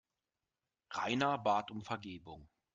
Rainer bat um Vergebung.